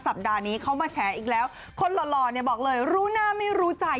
สัปดาห์นี้เขามาแฉอีกแล้วคนหล่อเนี่ยบอกเลยรู้หน้าไม่รู้ใจ